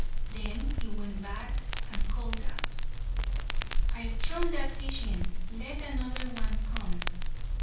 Then he went back and called out: "I've thrown that fish in; let another one come."